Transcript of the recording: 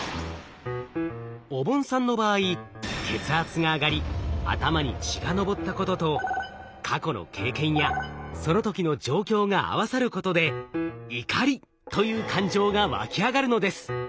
おぼんさんの場合血圧が上がり頭に血がのぼったことと過去の経験やその時の状況が合わさることで「怒り」という感情がわき上がるのです。